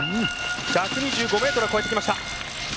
１２５ｍを越えてきました。